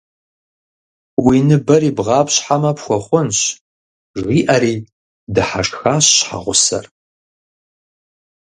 - Уи ныбэр ибгъапщхьэмэ, пхуэхъунщ, - жиӏэри дыхьэшхащ и щхьэгъусэр.